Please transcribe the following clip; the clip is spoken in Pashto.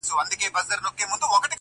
دا د کهف د اصحابو د سپي خپل دی.